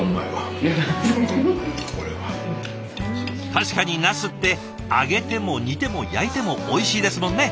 確かになすって揚げても煮ても焼いてもおいしいですもんね！